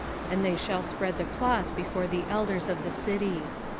And they shall spread the cloth before the elders of the city.